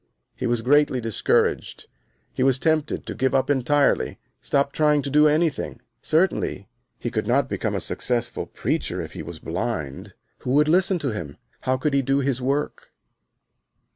He was greatly discouraged. He was tempted to give up entirely, stop trying to do anything. Certainly he could not be a successful preacher if he was blind. Who would listen to him? How could he do his work?